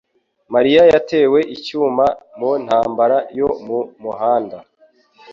mariya yatewe icyuma mu ntambara yo mu muhanda